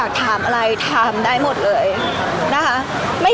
พี่ตอบได้แค่นี้จริงค่ะ